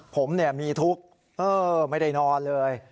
ผมมีทุกข์ไม่ได้นอนเลย